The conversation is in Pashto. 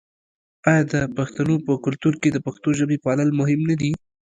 آیا د پښتنو په کلتور کې د پښتو ژبې پالل مهم نه دي؟